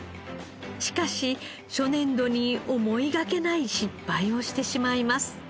しかし初年度に思いがけない失敗をしてしまいます。